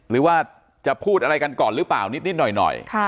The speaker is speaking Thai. หรือว่าจะพูดอะไรกันก่อนหรือเปล่านิดหน่อย